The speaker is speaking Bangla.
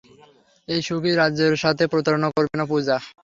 এই সুখী রাজের সাথে, প্রতারণা করবে না, পূজা।